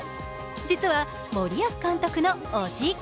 実は森保監督のおじ。